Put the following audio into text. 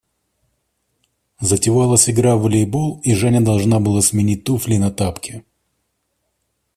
Затевалась игра в волейбол, и Женя должна была сменить туфли на тапки.